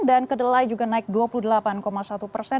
dan kedelai juga naik dua puluh delapan satu persen